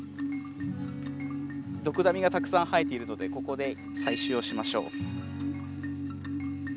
ドクダミがたくさん生えているのでここで採集をしましょう。